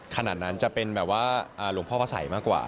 ขนาดนั้นแบบจะเป็นรวมพ่อประศัยมากกว่า